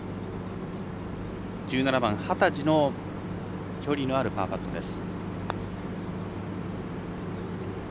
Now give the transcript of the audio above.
１７番、幡地の距離のあるパーパットです。